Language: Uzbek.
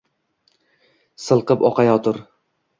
Silqib oqayotir